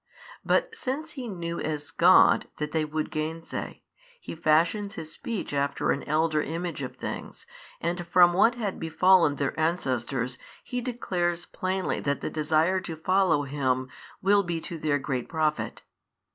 But since He knew as God that they would gainsay, He fashions His speech after an elder image of things and from what had befallen their ancestors He declares plainly that the desire to follow Him will be to their great profit.